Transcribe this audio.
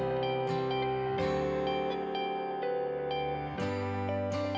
perubahan terkadang memunculkan resistensi